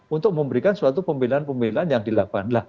untuk memberikan suatu pembelaan pembelaan yang dilakukan